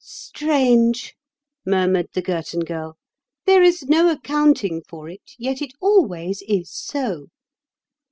"Strange," murmured the Girton Girl. "There is no accounting for it, yet it always is so."